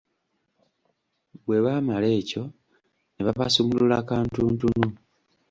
Bwe baamala ekyo, ne babasumulula kantuntunu.